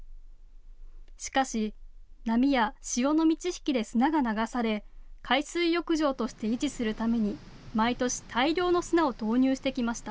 しかし、波や潮の満ち引きで砂が流され、海水浴場として維持するために毎年、大量の砂を投入してきました。